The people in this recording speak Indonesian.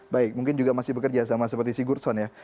baik mungkin juga masih bekerja sama seperti sigurdsson